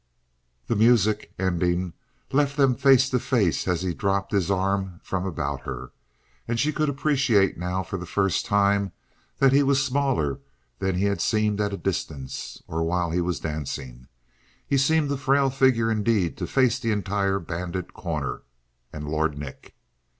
The music, ending, left them face to face as he dropped his arm from about her. And she could appreciate now, for the first time, that he was smaller than he had seemed at a distance, or while he was dancing. He seemed a frail figure indeed to face the entire banded Corner and Lord Nick.